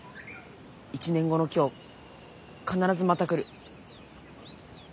「１年後の今日必ずまた来る」。